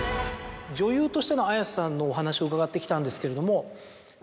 女優としての綾瀬さんのお話を伺ってきたんですけれども。